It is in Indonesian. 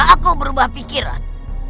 aku berubah pikiran